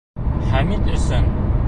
Хәмит өсөн.